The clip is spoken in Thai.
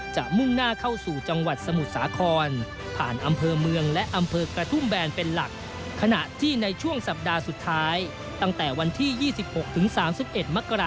จะมุ่งหน้าเข้าสู่จังหวัดสมุทรสาคร